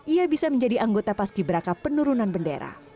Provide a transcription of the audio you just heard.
ia bisa menjadi anggota pas kiberaka penurunan bendera